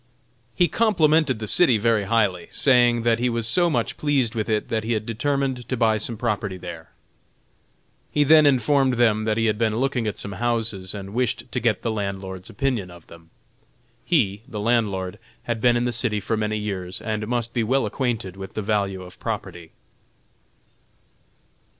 He complimented the city very highly, saying that he was so much pleased with it that he had determined to buy some property there. He then informed them that he had been looking at some houses, and wished to get the landlord's opinion of them. He the landlord had been in the city for many years, and must be well acquainted with the value of property.